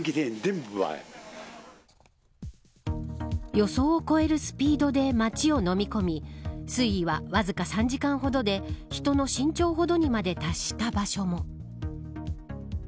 予想を超えるスピードで街をのみ込み水位は、わずか３時間ほどで人の身長ほどにまで達した場所も。